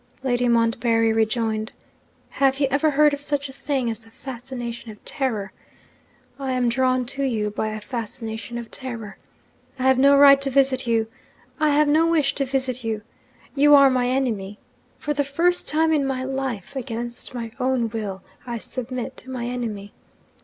Lady Montbarry rejoined. 'Have you ever heard of such a thing as the fascination of terror? I am drawn to you by a fascination of terror. I have no right to visit you, I have no wish to visit you: you are my enemy. For the first time in my life, against my own will, I submit to my enemy.